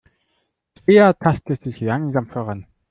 Svea tastet sich langsam voran.